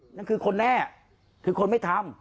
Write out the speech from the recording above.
นั่นคือคนแน่คือคนไม่ทำ